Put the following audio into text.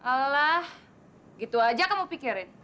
alah gitu aja kamu pikirin